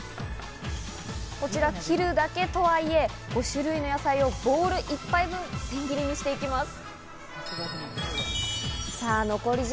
こちら、切るだけとはいえ、５種類の野菜をボウル１杯分、千切りにしていきます。